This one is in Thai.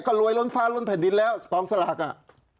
ก็รวยล้นฟ้าล้นแผ่นดินแล้วกองสลากอ่ะ